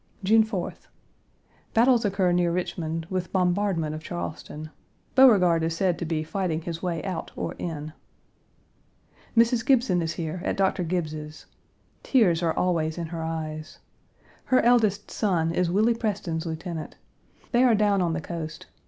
June 4th. Battles occur near Richmond, with bombardment of Charleston. Beauregard is said to be fighting his way out or in. Mrs. Gibson is here, at Doctor Gibbes's. Tears are always in her eyes. Her eldest son is Willie Preston's lieutenant. They are down on the coast.